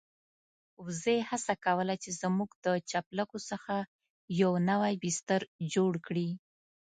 وزې هڅه کوله چې زموږ د چپلکو څخه يو نوی بستر جوړ کړي.